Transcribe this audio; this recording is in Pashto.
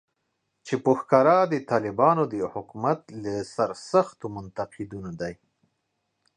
چې په ښکاره د طالبانو د حکومت له سرسختو منتقدینو دی